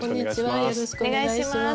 よろしくお願いします。